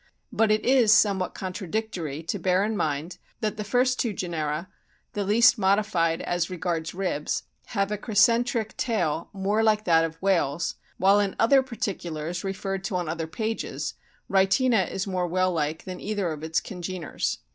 But it is somewhat contra dictory to bear in mind that the first two genera, the least modified as regards ribs, have a crescentric tail more like that of whales, while in other particulars referred to on other pages Rhytina is more whale like than either of its congeners.